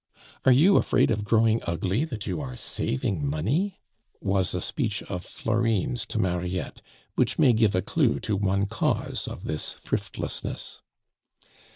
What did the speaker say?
"Are you afraid of growing ugly that you are saving money?" was a speech of Florine's to Mariette, which may give a clue to one cause of this thriftlessness.